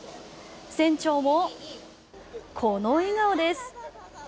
船長も、この笑顔です。